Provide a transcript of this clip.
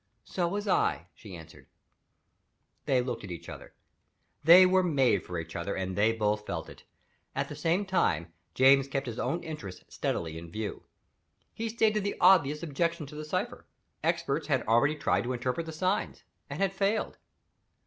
"So was I," she answered. They looked at each other. They were made for each other and they both felt it. At the same time, James kept his own interests steadily in view. He stated the obvious objection to the cipher. Experts had already tried to interpret the signs, and had failed.